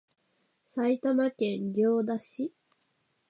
埼玉県行田市